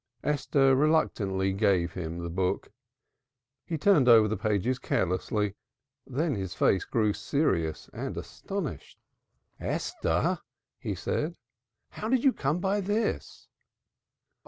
Esther reluctantly gave him the book. He turned over the pages carelessly, then his face grew serious and astonished. "Esther!" he said, "how did you come by this?"